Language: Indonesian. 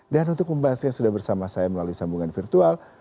dan untuk membahasnya sudah bersama saya melalui sambungan virtual